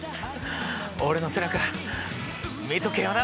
俺の背中見とけよな！